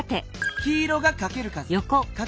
黄色がかける数。